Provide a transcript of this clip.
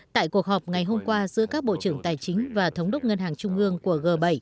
tại cuộc họp ngày hôm qua giữa các bộ trưởng tài chính và thống đốc ngân hàng trung ương của g bảy